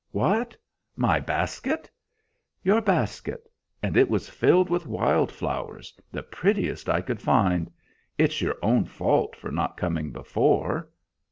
"What, my basket!" "Your basket. And it was filled with wild flowers, the prettiest I could find. It's your own fault for not coming before."